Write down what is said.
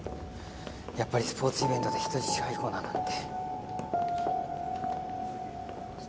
やっぱりスポーツイベントで人質解放なんて。